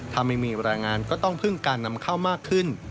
ถ้าไม่มีรายงานก็ต้องพึ่งการนำเข้ามากขึ้น